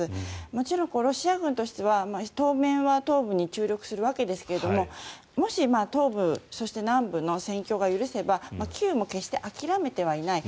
もちろんロシア軍としては当面、東部に注力するわけですがもし、東部そして南部の戦況が許せばキーウも決して諦めてはいない。